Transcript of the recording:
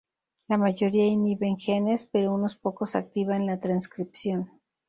La mayoría inhiben genes, pero unos pocos activan la transcripción.